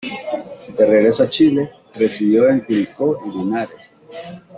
De regreso a Chile, residió en Curicó y Linares.